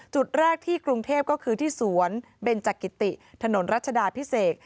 จุดแรกที่กรุงเทพก็คือที่สวนเบนจักริติถนนรัชดาพิเศษ